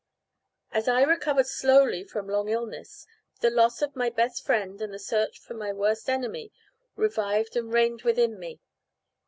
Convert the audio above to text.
As I recovered slowly from long illness, the loss of my best friend and the search for my worst enemy revived and reigned within me.